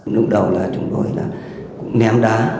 lúc đầu chúng tôi cũng ném đá